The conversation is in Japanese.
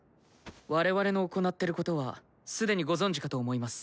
我々の行ってることは既にご存じかと思います。